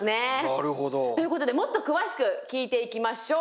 なるほど。ということでもっと詳しく聞いていきましょう。